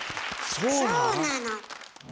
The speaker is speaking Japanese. そうなの。